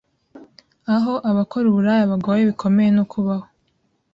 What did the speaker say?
aho abakora uburaya bagowe bikomeye no kubaho.